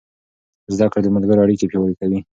زده کړه د ملګرو اړیکې پیاوړې کوي.